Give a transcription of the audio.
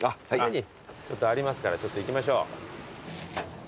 ありますからちょっと行きましょう。